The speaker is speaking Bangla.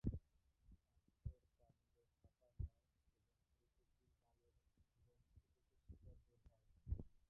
আখের কান্ড ফাঁপা নয় এবং প্রতিটি ডালের গ্রন্থি থেকে শিকড় বের হয়।